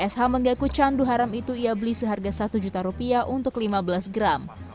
sh mengaku candu haram itu ia beli seharga satu juta rupiah untuk lima belas gram